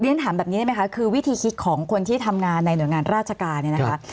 ฉันถามแบบนี้ได้ไหมคะคือวิธีคิดของคนที่ทำงานในหน่วยงานราชการเนี่ยนะคะ